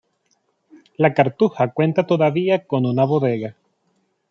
La cartuja cuenta todavía con una bodega.